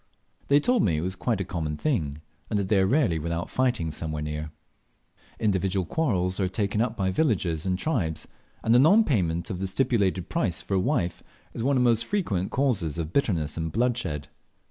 They told me it was quite a common thing, and that they are rarely without fighting somewhere near. Individual quarrels are taken up by villages and tribes, and the nonpayment of the stipulated price for a wife is one of the most frequent causes of bitterness and bloodshed.